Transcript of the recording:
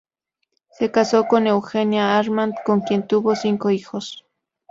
Se casó con Eugenia Armand, con quien tuvo cinco hijos.